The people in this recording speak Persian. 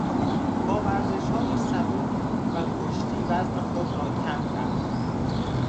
با ورزشهای سبک و کشتی وزن خود را کم کرد.